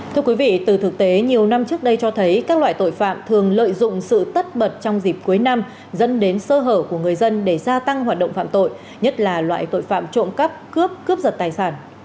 thưa quý vị từ thực tế nhiều năm trước đây cho thấy các loại tội phạm thường lợi dụng sự tất bật trong dịp cuối năm dẫn đến sơ hở của người dân để gia tăng hoạt động phạm tội nhất là loại tội phạm trộm cắp cướp cướp giật tài sản